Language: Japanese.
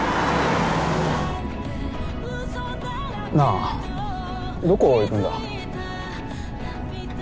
なぁどこ行くんだ？